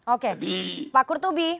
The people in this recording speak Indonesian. oke pak kurtubi